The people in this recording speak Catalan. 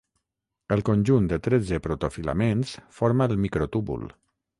El conjunt de tretze protofilaments forma el microtúbul.